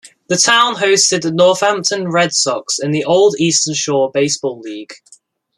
The town hosted the Northampton Red Sox in the old Eastern Shore Baseball League.